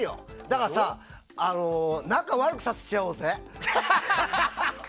だからさ仲を悪くさせちゃおうぜ。